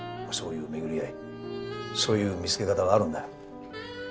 そういう巡り合いそういう見つけ方があるんだ。